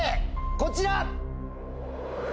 こちら！